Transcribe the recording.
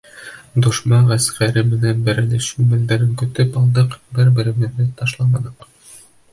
Дошман ғәскәре менән бәрелешеү мәлдәрен көтөп алдыҡ, бер-беребеҙҙе ташламаныҡ.